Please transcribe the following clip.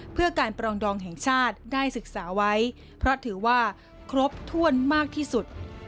เพื่อการปรองดองแห่งชาติได้ศึกษาไว้เพราะถือว่าครบถ้วนมากที่สุด